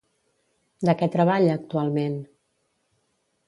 De què treballa actualment?